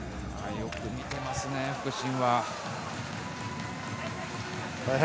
よく見ていますね、副審は。